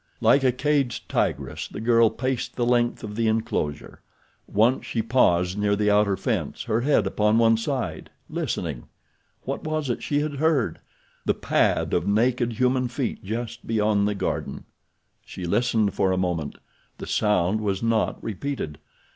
Like a caged tigress the girl paced the length of the enclosure. Once she paused near the outer fence, her head upon one side—listening. What was it she had heard? The pad of naked human feet just beyond the garden. She listened for a moment. The sound was not repeated.